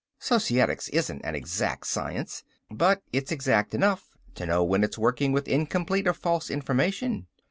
Societics isn't an exact science. But it's exact enough to know when it is working with incomplete or false information.